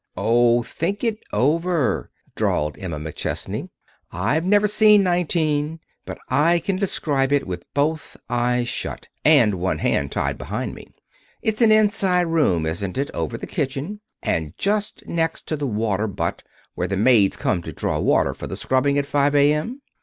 "Oh, think it over," drawled Emma McChesney. "I've never seen nineteen, but I can describe it with both eyes shut, and one hand tied behind me. It's an inside room, isn't it, over the kitchen, and just next to the water butt where the maids come to draw water for the scrubbing at 5 A.M.?